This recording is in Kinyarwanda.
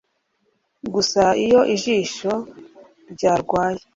gusa iyo ijisho ryarwaye